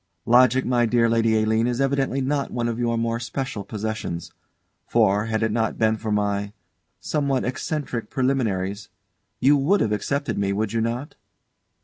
Logic, my dear Lady Aline, is evidently not one of your more special possessions. For, had it not been for my somewhat eccentric preliminaries you would have accepted me, would you not?